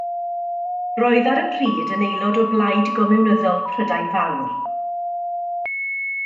Roedd ar y pryd yn aelod o Blaid Gomiwnyddol Prydain Fawr.